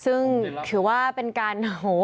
ซึ่งถือว่าเป็นการ